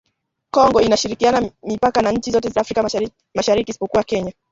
Kongo inashirikiana mipaka na nchi zote za Afrika Mashariki isipokuwa Kenya